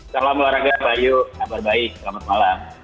salam olahraga bayu kabar baik selamat malam